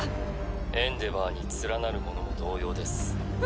エンデヴァーに連なる者も同様です。